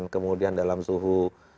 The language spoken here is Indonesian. kemudian dalam suhu